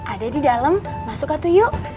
ada di dalam masuk atu yuk